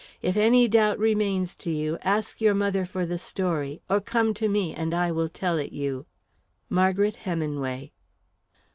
If any doubt remains to you, ask your mother for the story, or come to me and I will tell it you. "MARGARET HEMINWAY."